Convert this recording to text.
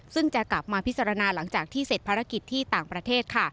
ซึ่งจะกลับมาพิจารณาหลังจากที่เสร็จภารกิจที่ต่างประเทศค่ะ